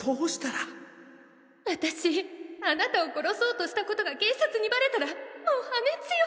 私あなたを殺そうとしたことが警察にバレたらもう破滅よ